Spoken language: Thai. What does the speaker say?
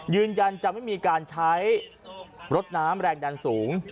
ยืนยันจะไม่มีการใช้รถน้ำแรงดันสูง